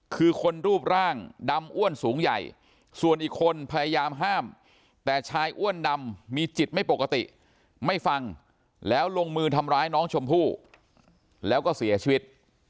คือคนรูปร่างดำอ้วนสูงใหญ่ส่วนอีกคนพยายามห้ามแต่ชายอ้วนดำมีจิตไม่ปกติไม่ฟังแล้วลงมือทำร้ายน้องชมพู่แล้วก็เสียชีวิต